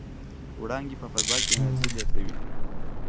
وړانګې په فضا کې انرژي لېږدوي.